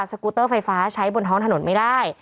กูเตอร์ไฟฟ้าใช้บนท้องถนนไม่ได้